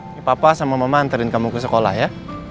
ini papa sama mama anterin kamu ke sekolah ya